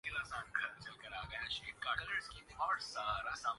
دوسروں کی مدد کرنا پسند کرتا ہوں